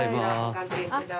お掛けください。